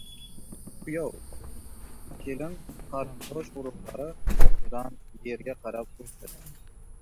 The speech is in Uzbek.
Kuyov, kelin qarindosh-urug‘lari oldidan yerga qarab o‘tdi.